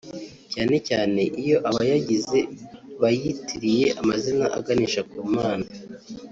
cyane cyane iyo abayagize bayitiriye amazina aganisha ku Mana